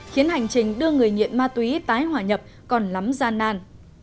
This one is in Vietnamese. khiến hành trình đưa người nghiện ma túy tái hòa nhập còn lắm gian nan